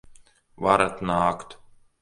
Varat nākt!